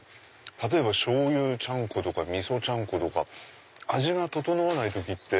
例えば醤油ちゃんことか味噌ちゃんことか味が調わない時って。